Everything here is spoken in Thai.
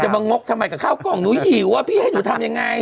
มางกทำไมกับข้าวกล่องหนูหิวอ่ะพี่ให้หนูทำยังไง